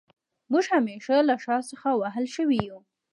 موږ همېشه له شا څخه وهل شوي يو